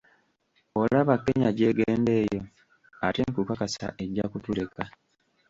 Olaba Kenya gy’egenda eyo ate nkukakasa ejja kutuleka.